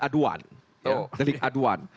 aduan delik aduan